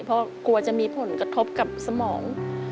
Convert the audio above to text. เพราะกลัวจะมีผลกระทบกับสมอง